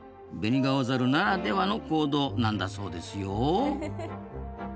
ベニガオザルならではの行動なんだそうですよ。